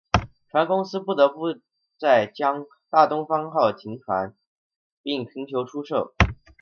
船公司不得不在将大东方号停航并寻求出售。